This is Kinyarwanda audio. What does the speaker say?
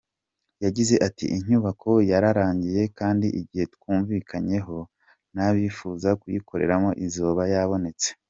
Yagize ati”Inyubako yararangiye kandi igihe twumvikanyeho n’abifuza kuyikoreramo izaba yabonetse.